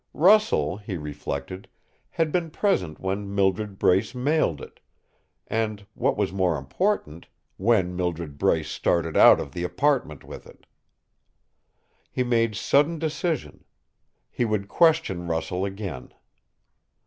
Russell, he reflected, had been present when Mildred Brace mailed it, and, what was more important, when Mildred started out of the apartment with it. He made sudden decision: he would question Russell again.